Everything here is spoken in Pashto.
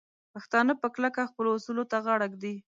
پښتانه په کلکه خپلو اصولو ته غاړه ږدي.